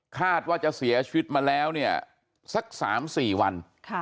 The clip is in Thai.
คาดว่าจะเสียชีวิตมาแล้วเนี่ยสัก๓๔วัน